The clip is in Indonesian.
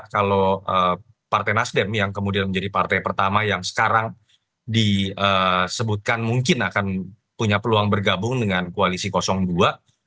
kalau partai nasdem yang kemudian menjadi partai pertama yang sekarang disebutkan mungkin akan punya peluang bergabung dengan koalisi dua